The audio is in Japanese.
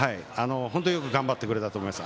本当によく頑張ってくれたと思います。